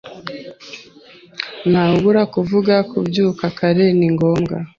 Ntawabura kuvuga, kubyuka kare ni ngombwa.